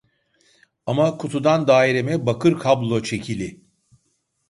Ama kutudan daireme bakır kablo çekili